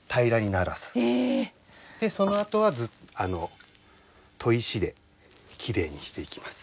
そのあとは砥石できれいにしていきます。